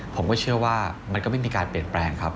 ผมก็เชื่อว่ามันก็ไม่มีการเปลี่ยนแปลงครับ